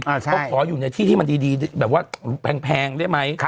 เขาขออยู่ในที่ที่มันดีแบบว่าแพงได้ไหม